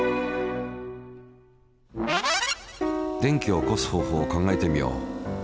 電気を起こす方法を考えてみよう。